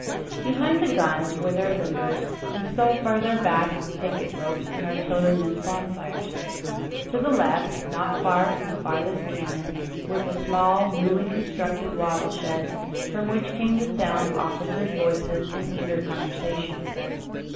Behind the guns were their limbers and still farther back picket ropes and artillerymen's bonfires. To the left, not far from the farthest cannon, was a small, newly constructed wattle shed from which came the sound of officers' voices in eager conversation.